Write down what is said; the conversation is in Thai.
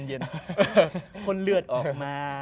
แปลกแบบพ่นเลือดออกมา